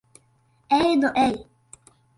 Ej nu ej!